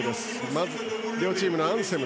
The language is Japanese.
まず両チームのアンセム。